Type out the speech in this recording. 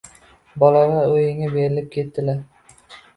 Bolalar o'yinga berilib ketdilar.